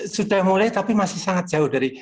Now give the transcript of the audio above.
sudah mulai tapi masih sangat jauh dari